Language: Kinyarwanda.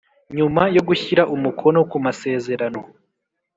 Nyuma Yo Gushyira Umukono Ku Masezerano